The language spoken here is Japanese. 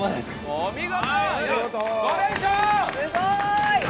お見事。